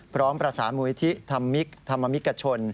พร้อมประสานมูลทิศธรรมมิกชน